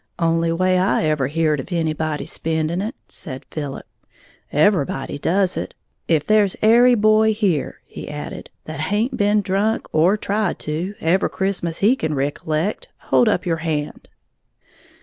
"Only way I ever heared of anybody spending it," said Philip; "everybody does it. If there's ary boy here," he added, "that haint been drunk, or tried to, every Christmas he can ricollect, hold up your hand!"